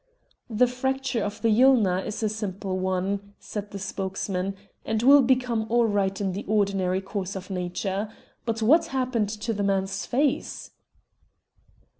"The fracture of the ulna is a simple one," said the spokesman, "and will become all right in the ordinary course of nature. But what happened to the man's face?"